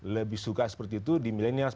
lebih suka seperti itu di milenial